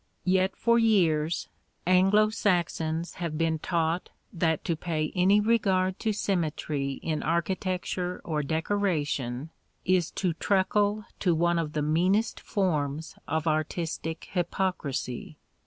Yet for years Anglo Saxons have been taught that to pay any regard to symmetry in architecture or decoration is to truckle to one of the meanest forms of artistic hypocrisy.